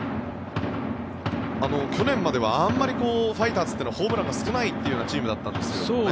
去年まではあまりファイターズというのはホームランが少ないというチームだったんですけれどもね。